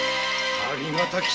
ありがたき幸せ。